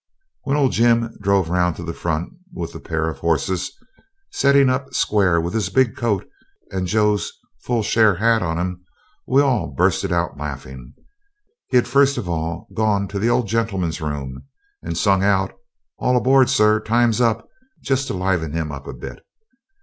When old Jim drove round to the front with the pair of horses, setting up square with his big coat and Joe's 'full share' hat on him, we all bursted out laughing. He'd first of all gone to the old gentleman's room and sung out, 'All aboard, sir, time's up,' just to liven him up a bit.